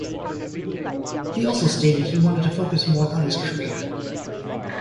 He also stated he wanted to focus more on his career.